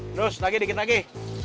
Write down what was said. terus lagi dikit dikit